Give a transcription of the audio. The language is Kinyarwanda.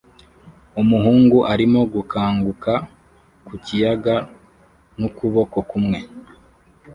Umuhungu arimo gukanguka ku kiyaga n'ukuboko kumwe